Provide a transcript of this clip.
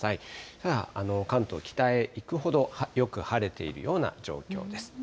ただ、関東、北へ行くほどよく晴れているような状況です。